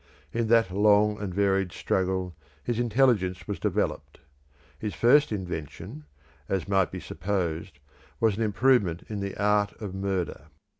In that long and varied struggle his intelligence was developed. His first invention, as might be supposed, was an improvement in the art of murder.